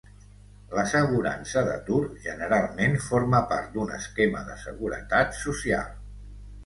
L'assegurança d'atur generalment forma part d'un esquema de seguretat social.